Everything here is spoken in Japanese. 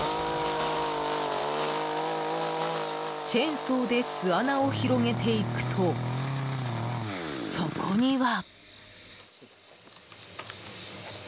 チェーンソーで巣穴を広げていくと、そこには。